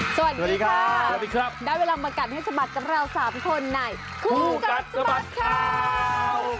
สวัสดีครับสวัสดีครับได้เวลามากัดให้ฉบัดกันแล้ว๓คนในครูกัดฉบัดข่าว